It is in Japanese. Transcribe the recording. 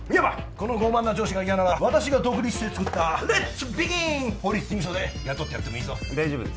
この傲慢な上司が嫌なら私が独立してつくったレッツビギン法律事務所で雇ってやってもいいぞ大丈夫です